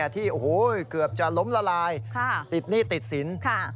ที่เกือบจะล้มละลายติดหนี้ติดสิน